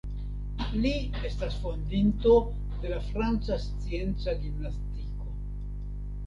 Li estas fondinto de la franca scienca gimnastiko.